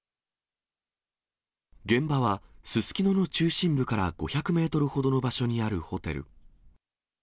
現場は、すすきのの中心部から５００メートルほどの場所にあるホテル。